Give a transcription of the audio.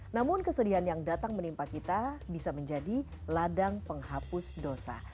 namun kesedihan yang datang menimpa kita bisa menjadi ladang penghapus dosa